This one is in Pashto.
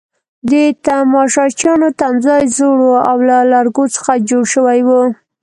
د تماشچیانو تمځای زوړ وو او له لرګو څخه جوړ شوی وو.